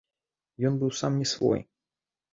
Ён быў сам не свой.